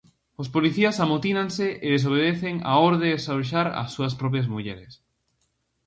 Os policías amotínanse e desobedecen a orde de desaloxar ás súas propias mulleres.